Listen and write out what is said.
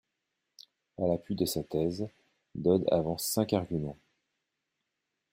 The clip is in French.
À l'appui de sa thèse, Dodd avance cinq arguments.